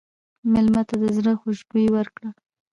مېلمه ته د زړه خوشبويي ورکړه.